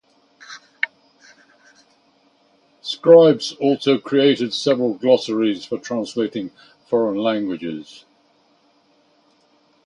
Scribes also created several glossaries for translating foreign languages.